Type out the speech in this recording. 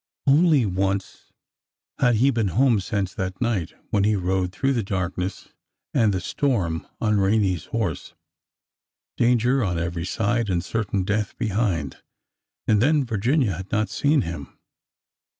Only once had he been home since that night when he rode through the darkness and the storm on Rene's horse, — danger on every side and certain death behind,— and then Virginia had not seen him.